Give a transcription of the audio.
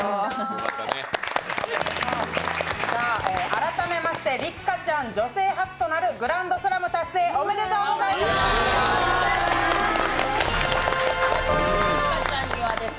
改めまして六花ちゃん女性初となるグランドスラム達成、おめでとうございます。